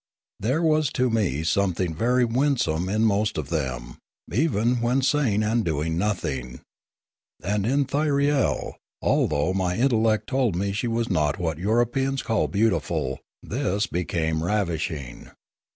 There was to me something very winsome in most of them, even when saying and doing nothing; and in Thyriel, although my intellect told me she was not what Europeans call beautiful, this became ravishing.